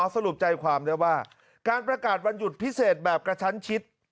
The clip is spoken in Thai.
สรุปใจความได้ว่าการประกาศวันหยุดพิเศษแบบกระชั้นชิด